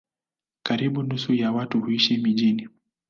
Karibu nusu ya watu huishi mijini.